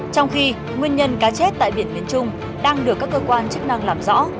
trong khi nguyên nhân cá chết tại biển miền trung đang được các cơ quan chức năng làm rõ